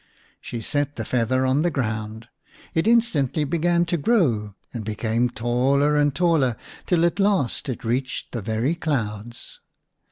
She set the feather on the ground. It instantly began to grow and became taller and taller, till at last it reached the very clouds.